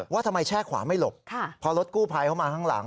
ว่าทำไมแช่ขวาไม่หลบพอรถกู้ภัยเข้ามาข้างหลัง